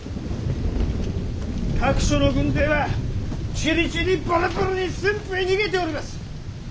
各所の軍勢はちりぢりバラバラに駿府へ逃げております。